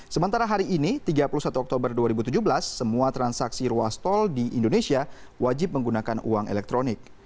sementara hari ini tiga puluh satu oktober dua ribu tujuh belas semua transaksi ruas tol di indonesia wajib menggunakan uang elektronik